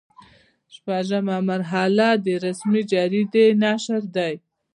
شپږمه مرحله د رسمي جریدې نشر دی.